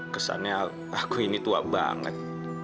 kesannya aku ini tua banget